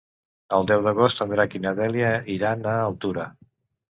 El deu d'agost en Drac i na Dèlia iran a Altura.